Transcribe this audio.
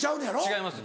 違います